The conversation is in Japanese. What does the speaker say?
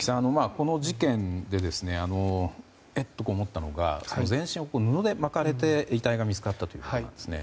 この事件で、えっ？と思ったのが全身を布で巻かれて遺体が見つかったということなんです。